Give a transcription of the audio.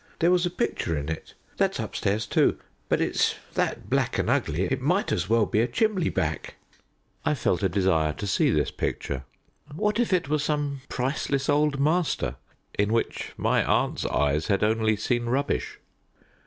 There was a picture in it that's upstairs too but it's that black and ugly it might as well be a chimley back." I felt a desire to see this picture. What if it were some priceless old master in which my aunt's eyes had only seen rubbish?